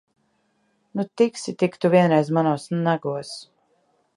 Nu, tiksi tik tu vienreiz manos nagos!